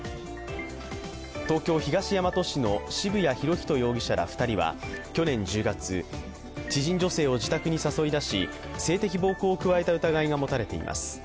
東京・東大和市の渋谷博仁容疑者ら２人は去年１０月、知人女性を自宅に誘い出し性的暴行を加えた疑いが持たれています。